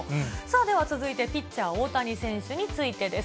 では続いて、ピッチャー大谷選手についてです。